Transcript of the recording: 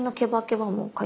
はい。